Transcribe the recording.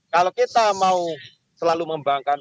kalau kita mau selalu membangun